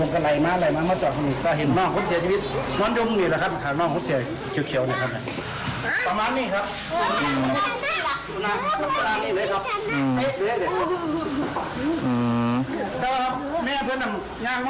แกก็ร่องให้คนตามข้างนะครับ